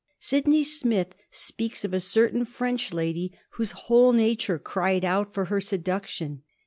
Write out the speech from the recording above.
Sydney Smith speaks of a certain French lady whose whole nature cried out for her seduction.